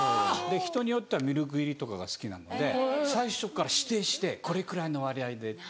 人によってはミルク入りとかが好きなので最初から指定してこれくらいの割合でって。